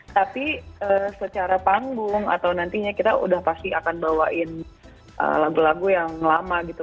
tapi secara panggung atau nantinya kita udah pasti akan bawain lagu lagu yang lama gitu